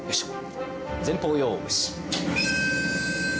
前方よーし！